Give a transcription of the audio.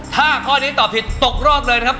ถ้าข้อนี้ตอบผิดตกรอบเลยนะครับ